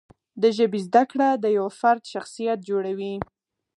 د ژبې زده کړه د یوه فرد شخصیت جوړوي.